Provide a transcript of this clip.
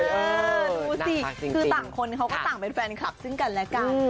เออดูสิคือต่างคนเขาก็ต่างเป็นแฟนคลับซึ่งกันและกัน